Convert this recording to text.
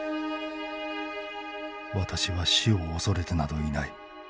「私は死を恐れてなどいない。